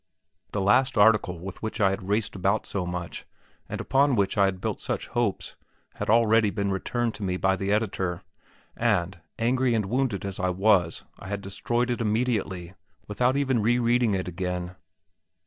The last article with which I had raced about so much, and upon which I had built such hopes, had already been returned to me by the editor; and, angry and wounded as I was, I had destroyed it immediately, without even re reading it again.